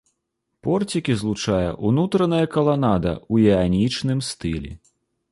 Порцікі злучае ўнутраная каланада ў іанічным стылі.